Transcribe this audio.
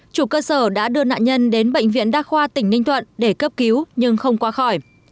chủ cơ sở đã đưa nạn nhân đến bệnh viện đa khoa tỉnh ninh thuận để cấp cứu nhưng không qua khỏi